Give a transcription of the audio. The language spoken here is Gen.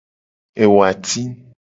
Ewati.